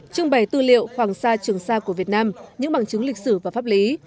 trưng bày tư liệu hoàng sa trường sa của việt nam những bằng chứng lịch sử và pháp lý